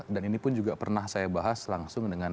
dan ini pun juga pernah saya bahas langsung dengan